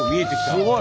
すごい！